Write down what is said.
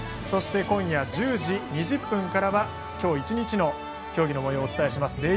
そして今夜１０時２０分からは今日１日の競技のもようをお伝えします。